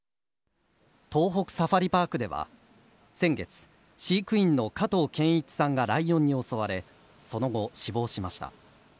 東北サファリパークでは先月、飼育員の加藤健一さんがライオンに襲われ、その後、死亡しました。